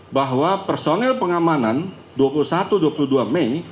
bahwa personil pengamanan dua puluh satu dua puluh dua mei